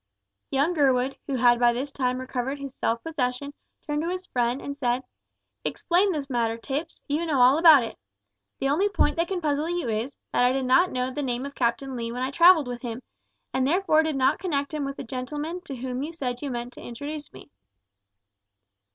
Young Gurwood, who had by this time recovered his self possession, turned to his friend and said, "Explain this matter, Tipps, you know all about it. The only point that can puzzle you is, that I did not know the name of Captain Lee when I travelled with him, and therefore did not connect him with the gentleman to whom you said you meant to introduce me."